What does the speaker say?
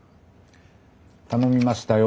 頼みましたよ。